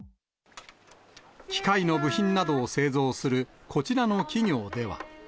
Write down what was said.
機械の部品などを製造するこちらの企業では。